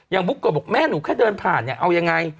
บุ๊กโกะบอกแม่หนูแค่เดินผ่านเนี่ยเอายังไง